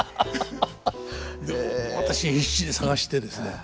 私必死に探してですね